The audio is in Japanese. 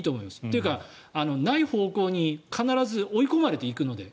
というか、ない方向に必ず追い込まれていくので。